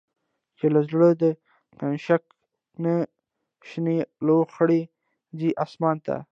چی له زړه د«کنشکا» نه، شنی لوخړی ځی آسمان ته